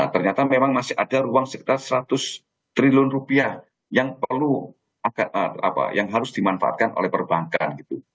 ternyata memang masih ada ruang sekitar seratus triliun rupiah yang harus dimanfaatkan oleh perbankan